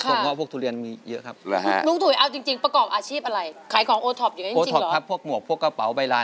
โอ้โหอันนี้แฮนเมตรนะครับเนี่ย